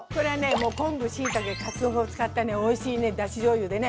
もう昆布しいたけかつおを使ったねおいしいねだしじょうゆでね